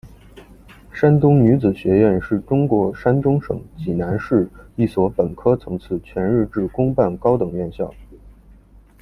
山东女子学院是中国山东省济南市的一所本科层次全日制公办高等院校。